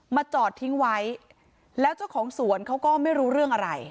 จอดทิ้งไว้แล้วเจ้าของสวนเขาก็ไม่รู้เรื่องอะไร